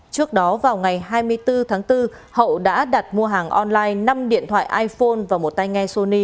trước đó vào ngày hai mươi bốn tháng bốn hậu đã đặt mua hàng online năm điện thoại iphone và một tay nghe sony